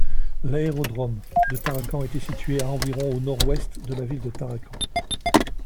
L'aérodrome de Tarakan était situé à environ au nord-ouest de la ville de Tarakan.